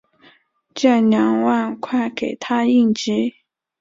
借两万块给她应急